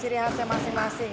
ciri khasnya masing masing